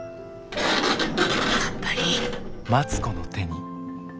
頑張りぃ。